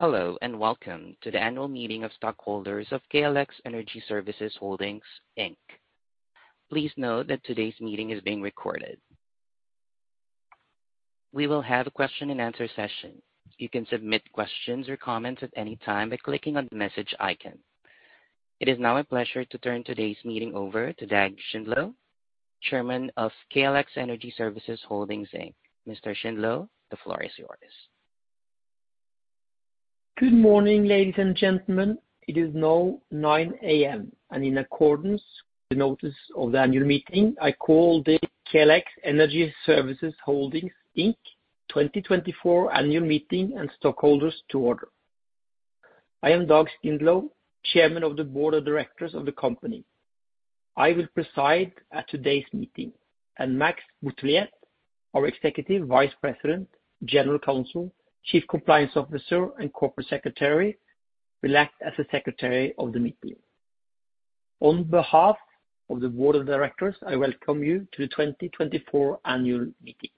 Hello, and welcome to the annual meeting of stockholders of KLX Energy Services Holdings, Inc. Please note that today's meeting is being recorded. We will have a question and answer session. You can submit questions or comments at any time by clicking on the message icon. It is now my pleasure to turn today's meeting over to Dag Skindlo, Chairman of KLX Energy Services Holdings, Inc. Mr. Skindlo, the floor is yours. Good morning, ladies and gentlemen. It is now 9:00 A.M., and in accordance with the notice of the annual meeting, I call the KLX Energy Services Holdings, Inc. 2024 Annual Meeting of Stockholders to order. I am Dag Skindlo, Chairman of the Board of Directors of the company. I will preside at today's meeting, and Max L. Bouthillette, our Executive Vice President, General Counsel, Chief Compliance Officer, and Corporate Secretary, will act as the secretary of the meeting. On behalf of the Board of Directors, I welcome you to the 2024 annual meeting.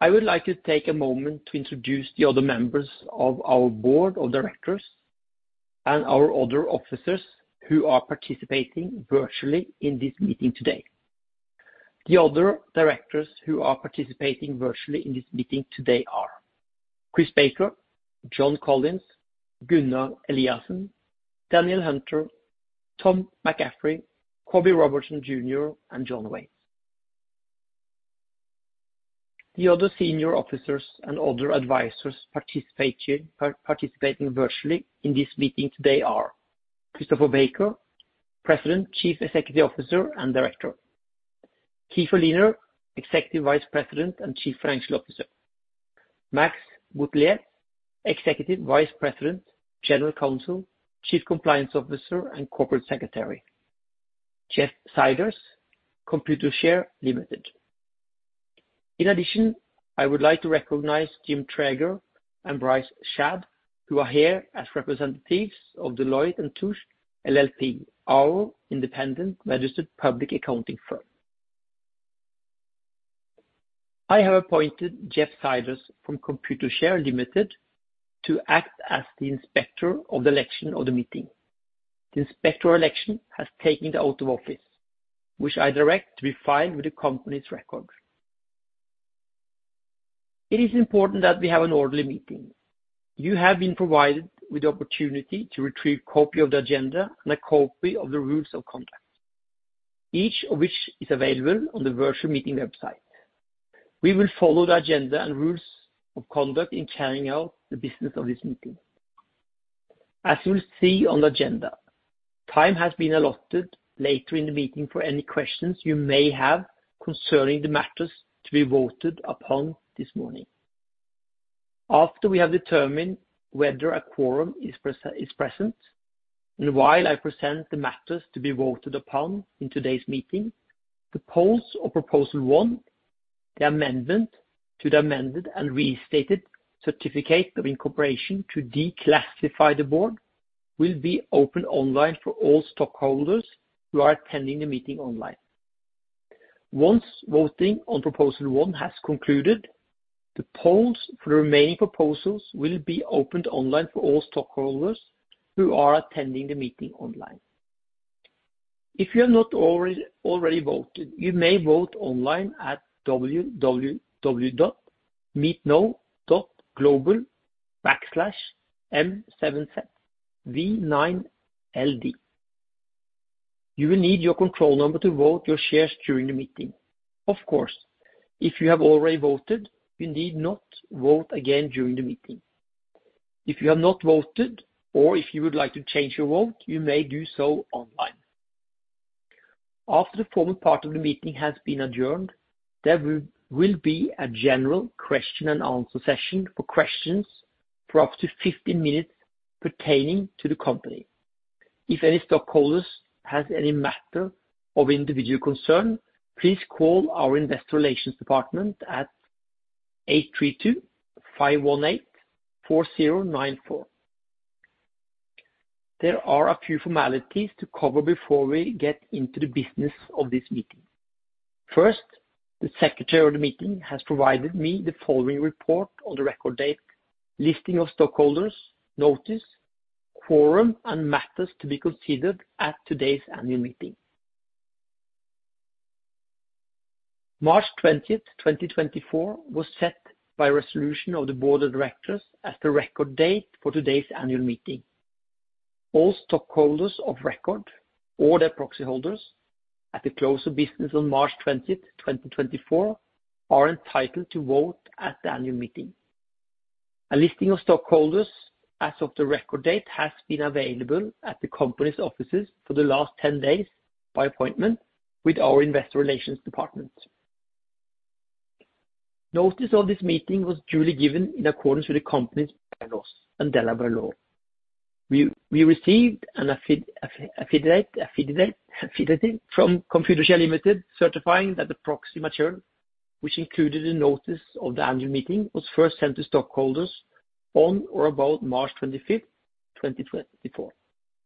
I would like to take a moment to introduce the other members of our Board of Directors and our other officers who are participating virtually in this meeting today. The other directors who are participating virtually in this meeting today are: Chris Baker, John T. Collins, Gunnar Eliassen, Danielle E. Hunter, Thomas P. McCaffrey, Corbin Robertson Jr., and John T. Whates. The other senior officers and other advisors participating virtually in this meeting today are Christopher Baker, President, Chief Executive Officer, and Director; Keefer M. Lehner, Executive Vice President and Chief Financial Officer; Max L. Bouthillette, Executive Vice President, General Counsel, Chief Compliance Officer, and Corporate Secretary; Jeff Siders, Computershare Limited. In addition, I would like to recognize James Traeger and Brice Schad, who are here as representatives of Deloitte & Touche LLP, our independent registered public accounting firm. I have appointed Jeff Siders from Computershare Limited to act as the inspector of election for the meeting. The inspector of election has taken the oath of office, which I direct to be filed with the company's records. It is important that we have an orderly meeting. You have been provided with the opportunity to retrieve copy of the agenda and a copy of the rules of conduct, each of which is available on the virtual meeting website. We will follow the agenda and rules of conduct in carrying out the business of this meeting. As you will see on the agenda, time has been allotted later in the meeting for any questions you may have concerning the matters to be voted upon this morning. After we have determined whether a quorum is present, and while I present the matters to be voted upon in today's meeting, the polls for Proposal One, the amendment to the Amended and Restated Certificate of Incorporation to declassify the Board, will be open online for all stockholders who are attending the meeting online. Once voting on Proposal One has concluded, the polls for the remaining proposals will be opened online for all stockholders who are attending the meeting online. If you have not already voted, you may vote online at www.meetnow.global/m7zv9ld. You will need your control number to vote your shares during the meeting. Of course, if you have already voted, you need not vote again during the meeting. If you have not voted or if you would like to change your vote, you may do so online. After the formal part of the meeting has been adjourned, there will be a general question and answer session for questions for up to 15 minutes pertaining to the company. If any stockholders has any matter of individual concern, please call our investor relations department at 832-518-4094. There are a few formalities to cover before we get into the business of this meeting. First, the secretary of the meeting has provided me the following report on the record date, listing of stockholders, notice, quorum, and matters to be considered at today's annual meeting. March 20, 2024, was set by resolution of the Board of Directors as the record date for today's annual meeting. All stockholders of record or their proxy holders at the close of business on March 20, 2024, are entitled to vote at the annual meeting. A listing of stockholders as of the record date has been available at the company's offices for the last 10 days by appointment with our investor relations department. Notice of this meeting was duly given in accordance with the company's Bylaws and Delaware law. We received an affidavit from Computershare Limited, certifying that the proxy material, which included a notice of the annual meeting, was first sent to stockholders on or about March 25, 2024.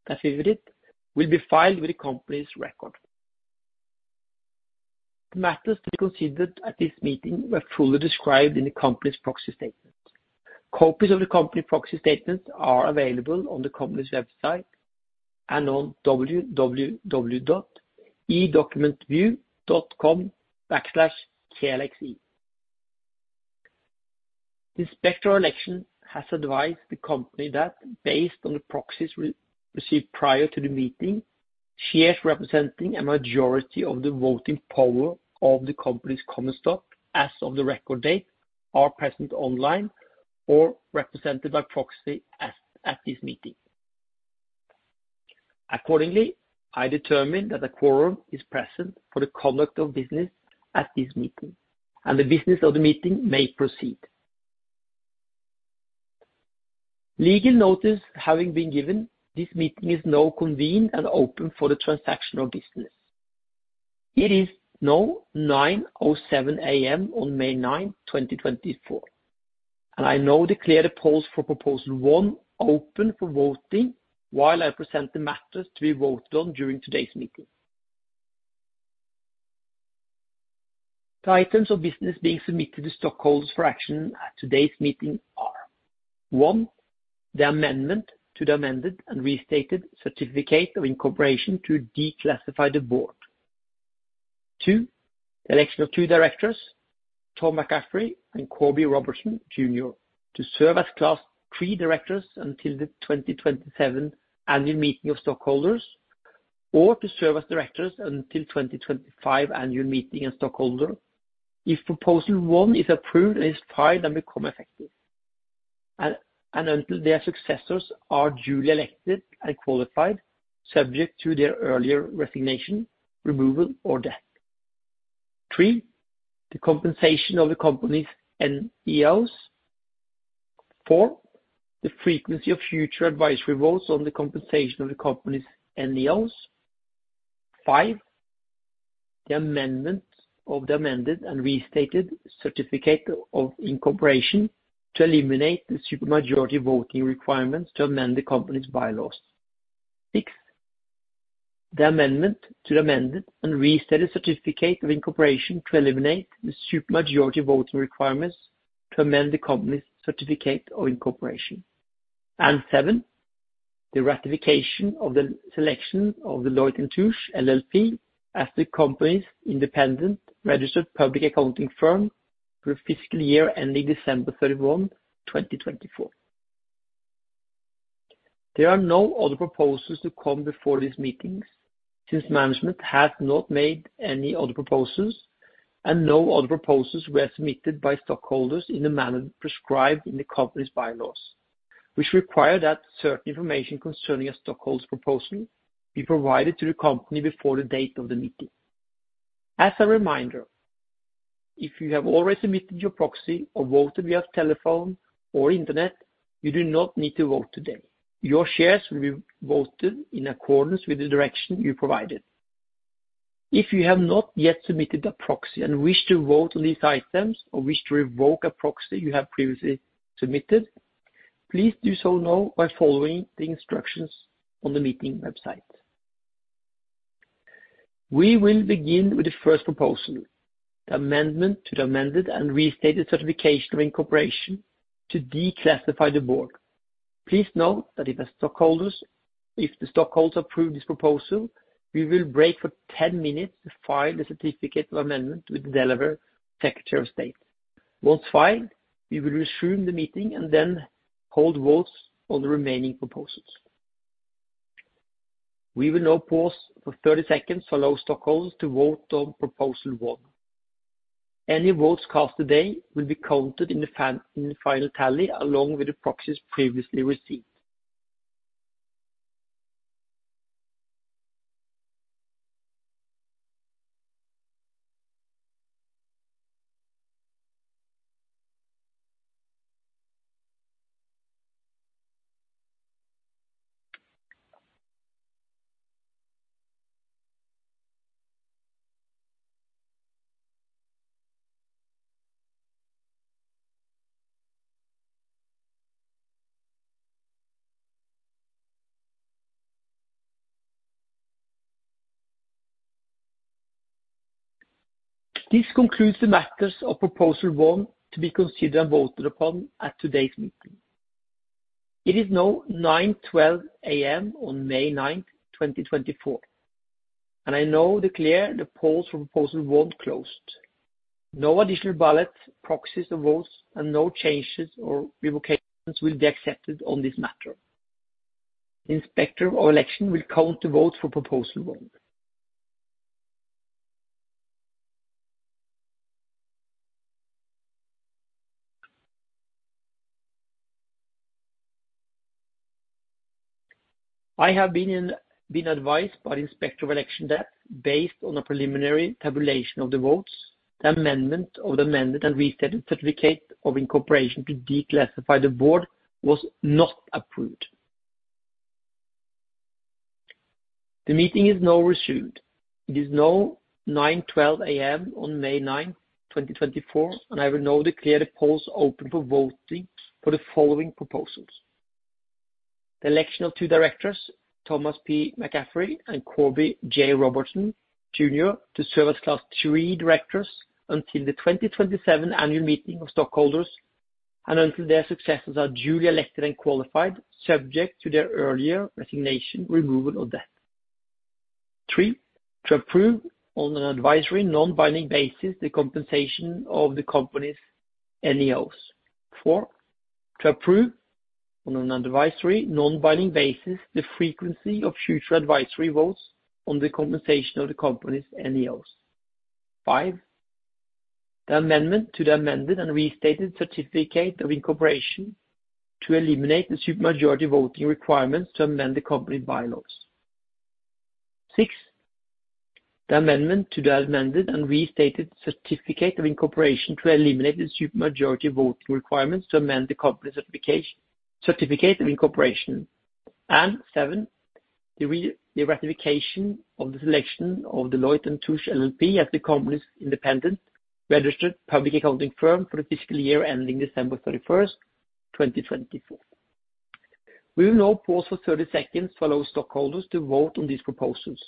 Affidavit will be filed with the company's records. The matters to be considered at this meeting were fully described in the company's proxy statement. Copies of the company proxy statements are available on the company's website and on www.edocumentview.com/klxe. The Inspector of Election has advised the company that based on the proxies received prior to the meeting, shares representing a majority of the voting power of the company's common stock as of the record date, are present online or represented by proxy at this meeting. Accordingly, I determine that a quorum is present for the conduct of business at this meeting, and the business of the meeting may proceed. Legal notice having been given, this meeting is now convened and open for the transactional business. It is now 9:07 A.M. on May 9, 2024, and I now declare the polls for Proposal One open for voting, while I present the matters to be voted on during today's meeting. The items of business being submitted to stockholders for action at today's meeting are: one, the amendment to the amended and restated Certificate of Incorporation to declassify the Board. Two, election of two directors, Tom McCaffrey and Corby Robertson Jr., to serve as Class III directors until the 2027 annual meeting of stockholders, or to serve as directors until 2025 annual meeting of stockholders. If Proposal One is approved and is filed and become effective, and, and until their successors are duly elected and qualified, subject to their earlier resignation, removal, or death. 3, the compensation of the company's NEOs. 4, the frequency of future advisory votes on the compensation of the company's NEOs. 5, the amendment of the amended and restated Certificate of Incorporation to eliminate the supermajority voting requirements to amend the company's Bylaws. 6, the amendment to the amended and restated Certificate of Incorporation to eliminate the supermajority voting requirements to amend the company's Certificate of Incorporation. And 7, the ratification of the selection of Deloitte & Touche LLP as the company's independent registered public accounting firm for the fiscal year ending December 31, 2024. There are no other proposals to come before these meetings, since management has not made any other proposals, and no other proposals were submitted by stockholders in the manner prescribed in the company's Bylaws, which require that certain information concerning a stockholder's proposal be provided to the company before the date of the meeting. As a reminder, if you have already submitted your proxy or voted via telephone or internet, you do not need to vote today. Your shares will be voted in accordance with the direction you provided. If you have not yet submitted a proxy and wish to vote on these items or wish to revoke a proxy you have previously submitted, please do so now by following the instructions on the meeting website. We will begin with the first proposal, the amendment to the Amended and Restated Certificate of Incorporation to declassify the Board. Please note that if the stockholders approve this proposal, we will break for 10 minutes to file the certificate of amendment with the Delaware Secretary of State. Once filed, we will resume the meeting and then hold votes on the remaining proposals. We will now pause for 30 seconds to allow stockholders to vote on Proposal One. Any votes cast today will be counted in the final tally, along with the proxies previously received. This concludes the matters of Proposal One to be considered and voted upon at today's meeting. It is now 9:12 A.M. on May 9, 2024, and I now declare the polls for Proposal One closed. No additional ballots, proxies, or votes, and no changes or revocations will be accepted on this matter. The Inspector of Election will count the votes for Proposal One. I have been advised by the Inspector of Election that based on a preliminary tabulation of the votes, the amendment of the amended and restated Certificate of Incorporation to declassify the Board was not approved. The meeting is now resumed. It is now 9:12 A.M. on May ninth, 2024, and I will now declare the polls open for voting for the following proposals: the election of two directors, Thomas P. McCaffrey and Corby J. Robertson Jr., to serve as Class III directors until the 2027 annual meeting of stockholders and until their successors are duly elected and qualified, subject to their earlier resignation, removal, or death. Three, to approve on an advisory non-binding basis the compensation of the company's NEOs. Four, to approve on an advisory non-binding basis the frequency of future advisory votes on the compensation of the company's NEOs. 5, the amendment to the amended and restated Certificate of Incorporation to eliminate the supermajority voting requirements to amend the company Bylaws. 6, the amendment to the amended and restated Certificate of Incorporation to eliminate the supermajority voting requirements to amend the company Certificate of Incorporation. And 7, the ratification of the selection of Deloitte & Touche LLP as the company's independent registered public accounting firm for the fiscal year ending December 31, 2024. We will now pause for 30 seconds to allow stockholders to vote on these proposals.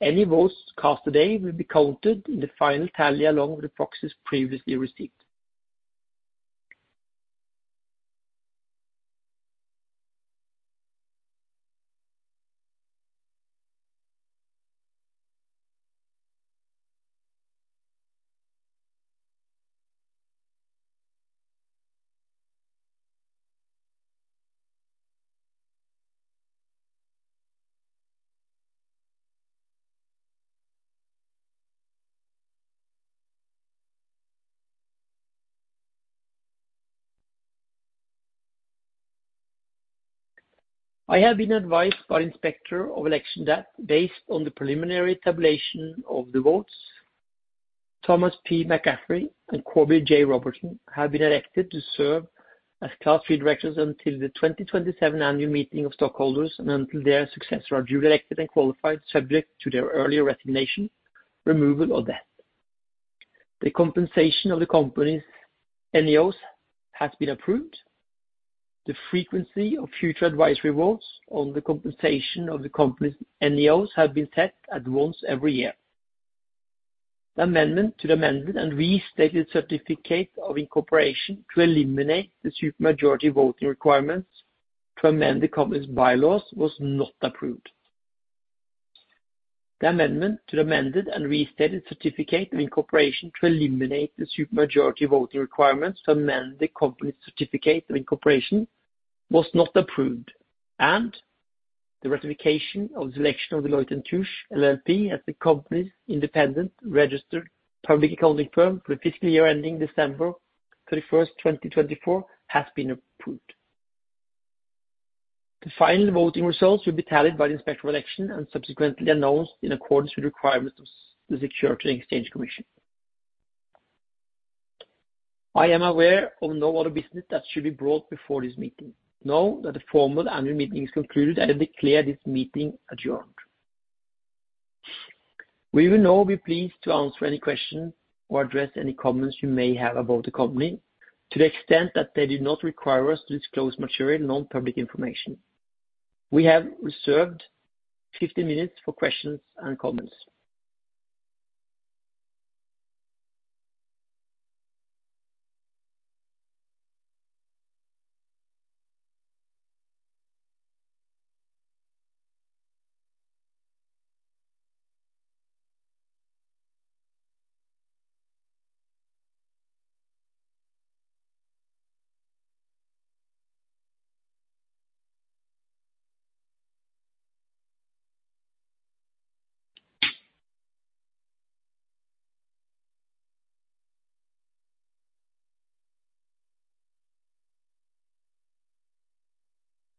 Any votes cast today will be counted in the final tally along with the proxies previously received. I have been advised by Inspector of Election that based on the preliminary tabulation of the votes, Thomas P. McCaffrey and Corby J. Robertson have been elected to serve as Class III directors until the 2027 annual meeting of stockholders and until their successors are duly elected and qualified, subject to their earlier resignation, removal, or death. The compensation of the company's NEOs has been approved. The frequency of future advisory votes on the compensation of the company's NEOs have been set at once every year. The amendment to the amended and restated Certificate of Incorporation to eliminate the supermajority voting requirements to amend the company's Bylaws was not approved. The amendment to the amended and restated Certificate of Incorporation to eliminate the supermajority voting requirements to amend the company's Certificate of Incorporation was not approved, and the ratification of the selection of Deloitte & Touche LLP as the company's independent registered public accounting firm for the fiscal year ending December 31, 2024, has been approved. The final voting results will be tallied by the Inspector of Election and subsequently announced in accordance with the requirements of the Securities and Exchange Commission. I am aware of no other business that should be brought before this meeting. Now that the formal annual meeting is concluded, and I declare this meeting adjourned. We will now be pleased to answer any questions or address any comments you may have about the company, to the extent that they do not require us to disclose material non-public information. We have reserved 15 minutes for questions and comments.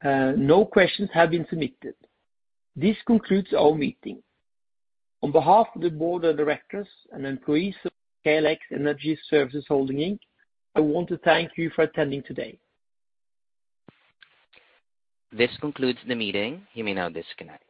No questions have been submitted. This concludes our meeting. On behalf of the Board of directors and employees of KLX Energy Services Holdings, Inc., I want to thank you for attending today. This concludes the meeting. You may now disconnect.